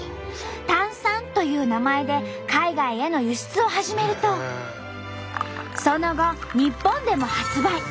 「タンサン」という名前で海外への輸出を始めるとその後日本でも発売。